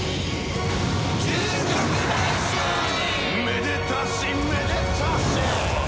「めでたしめでたし！」